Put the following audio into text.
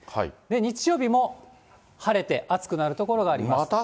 日曜日も晴れて暑くなる所があります。